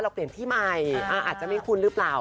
เปลี่ยนที่ใหม่อาจจะไม่คุ้นหรือเปล่า